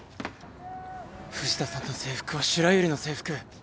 藤田さんの制服は白百合の制服。